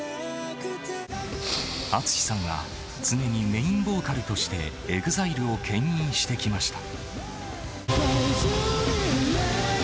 ＡＴＳＵＳＨＩさんが常にメインボーカルとして、ＥＸＩＬＥをけん引してきました。